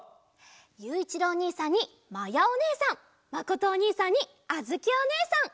ゆういちろうおにいさんにまやおねえさんまことおにいさんにあづきおねえさん！